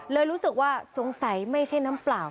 รู้สึกว่าสงสัยไม่ใช่น้ำเปล่า